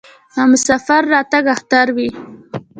د مسافر راتګ اختر وي.